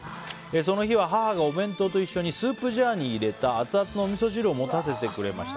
その日は、母がお弁当と一緒にスープジャーに入れたアツアツのおみそ汁を持たせてくれました。